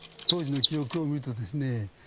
当時の記録を見るとですね